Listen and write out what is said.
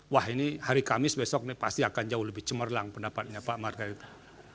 wah ini hari kamis besok ini pasti akan jauh lebih cemerlang pendapatnya pak marga itu